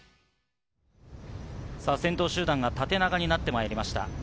先頭集団が縦長になってきました。